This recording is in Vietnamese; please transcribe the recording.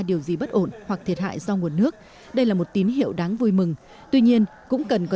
điều gì bất ổn hoặc thiệt hại do nguồn nước đây là một tín hiệu đáng vui mừng tuy nhiên cũng cần có